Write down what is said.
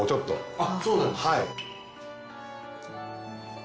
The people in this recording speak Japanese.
あっそうなんですか。